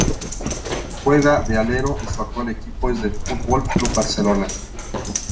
Juega de alero y su actual equipo es el Fútbol Club Barcelona.